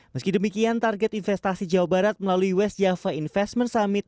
meski demikian target investasi jawa barat melalui west java investment summit